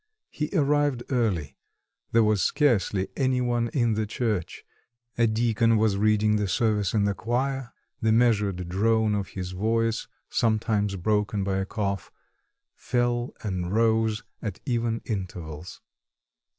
He arrived early; there was scarcely any one in the church; a deacon was reading the service in the chair; the measured drone of his voice sometimes broken by a cough fell and rose at even intervals.